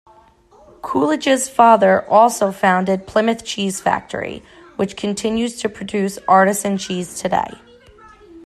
Coolidge's father also founded Plymouth Cheese Factory, which continues to produce artisan cheese today.